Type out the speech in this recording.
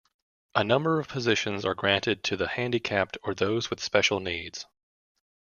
A number of positions are granted to the handicapped or those with special needs.